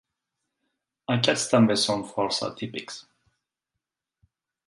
Aquests també són força atípics.